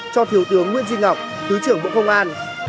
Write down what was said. cho thiếu tướng nguyễn duy ngọc thứ trưởng bộ công an